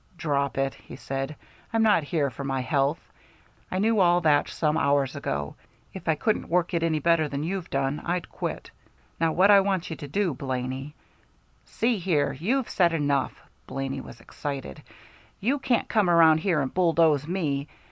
"Drop it," he said. "I'm not here for my health. I knew all that some hours ago. If I couldn't work it any better than you've done, I'd quit. Now what I want you to do, Blaney " "See here, you've said enough!" Blaney was excited. "You can't come around here and bulldoze me.